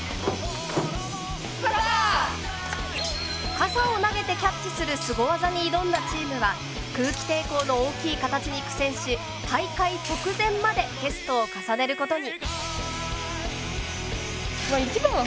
傘を投げてキャッチするスゴ技に挑んだチームは空気抵抗の大きい形に苦戦し大会直前までテストを重ねることに。